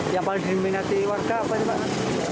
yang paling diminati warga apa ini pak